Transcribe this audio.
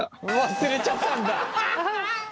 忘れちゃったんだ！